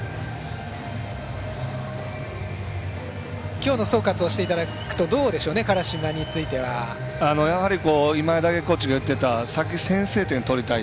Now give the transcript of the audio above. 今日の総括をしていただくとどうでしょうね、辛島については。やはり、今江打撃コーチが言っていた先、先制点が取りたい。